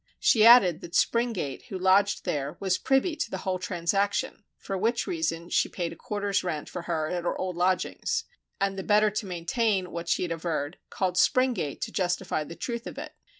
She added that Springate, who lodged there, was privy to the whole transaction, for which reason she paid a quarter's rent for her at her old lodgings, and the better to maintain what she had averred, called Springate to justify the truth of it.